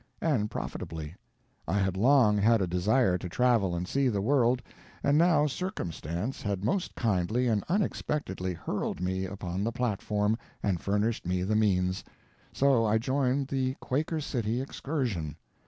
And profitably. I had long had a desire to travel and see the world, and now Circumstance had most kindly and unexpectedly hurled me upon the platform and furnished me the means. So I joined the "Quaker City Excursion."